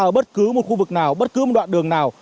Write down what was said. ở bất cứ một khu vực nào bất cứ một đoạn đường nào